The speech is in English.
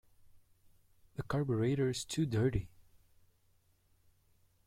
The carburettor is too dirty.